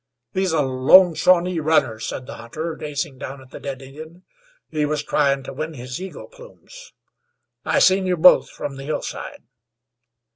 "He's a lone Shawnee runner," said the hunter, gazing down at the dead Indian. "He was tryin' to win his eagle plumes. I seen you both from the hillside."